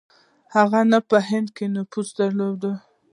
هغه نه په هند کې نفوذ درلود.